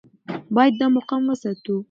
باید دا مقام وساتو.